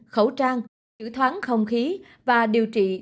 khẩu trang chữ thoáng không khí và điều trị